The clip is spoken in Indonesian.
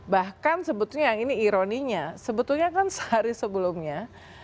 bahkan sebetulnya yang ini ironinya sebetulnya kan sehari sebelumnya